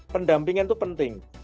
pendampingan itu penting